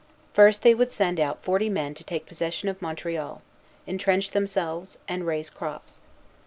First they would send out forty men to take possession of Montreal, intrench themselves, and raise crops.